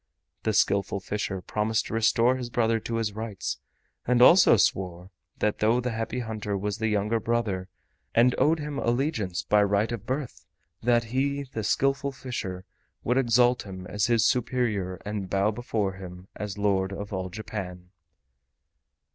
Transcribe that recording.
The Skillful Fisher promised to restore his brother to his rights and also swore that though the Happy Hunter was the younger brother and owed him allegiance by right of birth, that he, the Skillful Fisher, would exalt him as his superior and bow before him as Lord of all Japan.